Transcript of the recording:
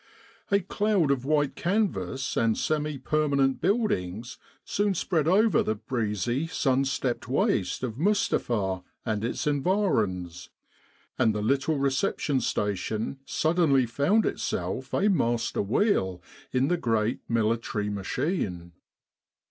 A cloud of white canvas and semi permanent buildings soon spread over the breezy sun steeped waste of Mustapha and its environs, and the little Reception Station suddenly found itself a master wheel in the great military machine.